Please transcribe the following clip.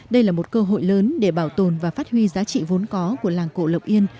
đây là một cơ hội lớn để bảo tồn và phát huy giá trị vốn có của làng cổ lộc yên